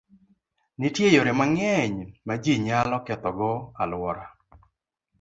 Nitie yore mang'eny ma ji nyalo ketho go alwora.